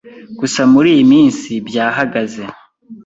gusa muri iyi minsi byahagaze